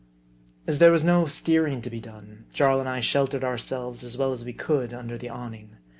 As there was no steering to be done, Jarl and I sheltered ourselves as well as we could under the awning.